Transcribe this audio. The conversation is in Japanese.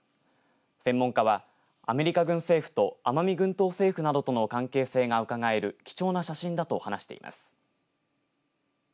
専門家はアメリカ軍政府と奄美群島政府などとの関係性がうかがえる貴重な写真だと話しています。